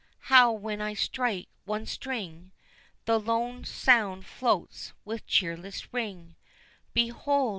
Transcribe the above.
how when I strike one string The lone sound floats with cheerless ring; Behold!